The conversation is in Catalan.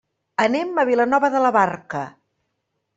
Anem a Vilanova de la Barca.